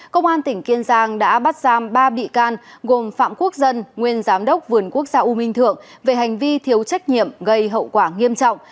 công an tỉnh kiên giang đã bắt giam ba bị can gồm phạm quốc dân nguyên giám đốc vườn quốc gia u minh thượng về hành vi thiếu trách nhiệm gây hậu quả nghiêm trọng